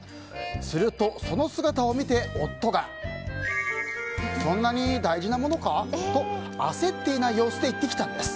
すると、その姿を見て夫がそんなに大事なものか？と焦っていない様子で言ってきたんです。